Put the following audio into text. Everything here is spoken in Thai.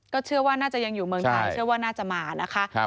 เชื่อว่าน่าจะยังอยู่เมืองไทยเชื่อว่าน่าจะมานะคะ